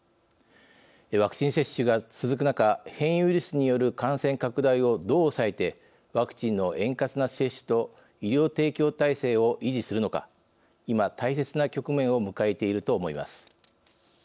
ワクチン接種が続く中変異ウイルスによる感染拡大をどう抑えてワクチンの円滑な接種と医療提供体制を維持するのか今、大切な局面を迎えていると思います。